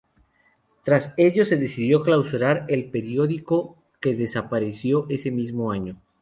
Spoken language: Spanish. Tras ello se decidió clausurar el periódico, que desapareció ese mismo año.